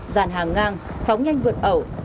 dàn hàng ngang phóng nhanh vượt ẩu